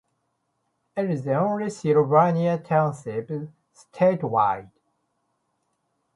It is the only Sylvania Township statewide.